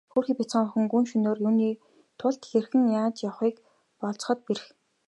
Хөөрхий бяцхан охин гүн шөнөөр юуны тул хэрхэн яаж явахыг болзоход бэрх.